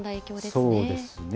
そうですね。